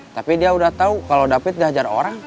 tapi dia udah tahu kalau david diajar orang